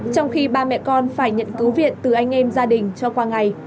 trong khi ba mẹ con phải nhận cứu viện từ anh em gia đình cho qua ngày